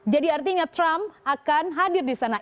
jadi artinya trump akan hadir disana